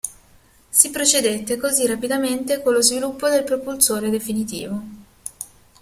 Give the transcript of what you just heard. Si procedette così rapidamente con lo sviluppo del propulsore definitivo.